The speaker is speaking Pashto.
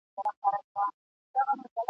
زه اړ نه یم چي مي لوری ستا پر کور کم ..